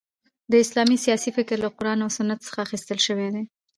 د اسلامی سیاسي فکر له قران او سنتو څخه اخیستل سوی دي.